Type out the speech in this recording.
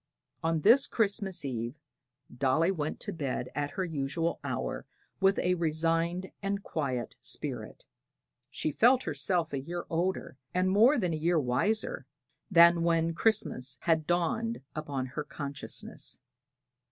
On this Christmas Eve Dolly went to bed at her usual hour with a resigned and quiet spirit. She felt herself a year older, and more than a year wiser, than when Christmas had first dawned upon her consciousness.